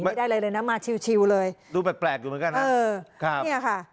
ไม่ได้อะไรเลยนะมาชิวเลยดูแปลกอยู่เหมือนกันนะเออครับเนี่ยค่ะ